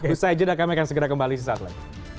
usah aja dah kami akan segera kembali sesaat lain